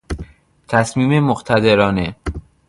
تصمیم مقتدرانه